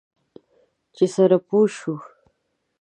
چې سره پوه شو.